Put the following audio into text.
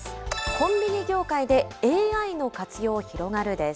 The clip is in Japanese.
コンビニ業界でＡＩの活用広がるです。